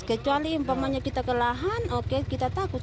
kecuali informannya kita ke lahan oke kita takut